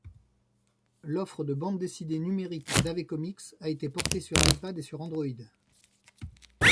L'offre de bandes dessinées numériques d'AveComics a été portée sur iPad et sur Android.